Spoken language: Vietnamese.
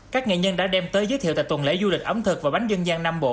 các nghệ nhân đã đem tới giới thiệu tại tuần lễ du lịch ẩm thực và bánh dân gian nam bộ